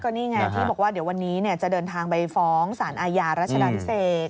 นี่ไงที่บอกว่าเดี๋ยววันนี้จะเดินทางไปฟ้องสารอาญารัชดาพิเศษ